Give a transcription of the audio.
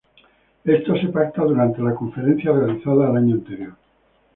Esto se pacta durante la conferencia realizada el año anterior.